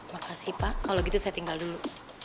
makasih pak kalau gitu saya tinggal dulu